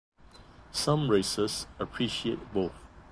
Some races appreciate both.